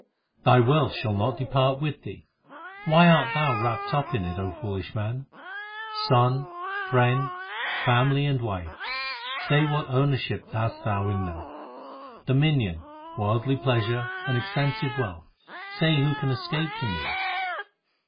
5 Thy wealth shall not depart with thee ; Why art thou wrapped up in it, O foolish man ? Son, friend, family, and wife Say what ownership hast thou in them. Dominion, worldly pleasure, and extensive wealth Say who can escape from these.